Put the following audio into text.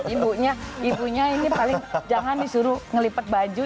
ibunya ibunya ini paling jangan disuruh ngelipet baju